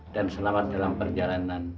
dan selamat dalam perjalanan